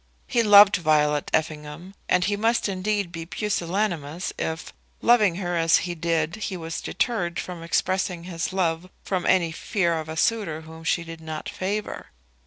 He loved Violet Effingham, and he must indeed be pusillanimous if, loving her as he did, he was deterred from expressing his love from any fear of a suitor whom she did not favour.